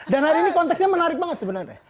dan hari ini konteksnya menarik banget sebenernya